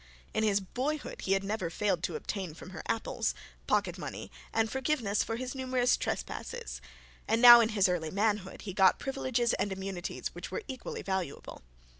In his boyhood he had never failed to obtain from her, apples, pocket money, and forgiveness for his numerous trespasses; and now in his early manhood he got privileges and immunities which were equally valuable.